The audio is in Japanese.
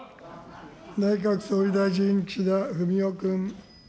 内閣総理大臣、え岸田文雄君。